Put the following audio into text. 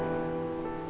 dan boy tengah juga